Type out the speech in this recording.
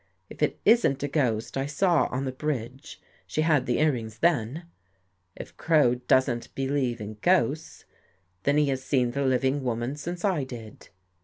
If it isn't a ghost I saw on the 74 BELIEVING IN GHOSTS bridge, she had the earrings then. If Crow doesn't believe in ghosts, then he has seen the living woman since I did."